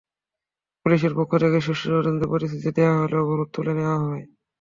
পুলিশের পক্ষ থেকে সুষ্ঠু তদন্তের প্রতিশ্রুতি দেওয়া হলে অবরোধ তুলে নেওয়া হয়।